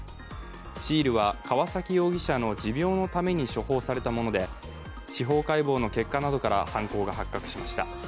シールは川崎容疑者の持病のために処方されたもので、司法解剖の結果などから犯行が発覚しました。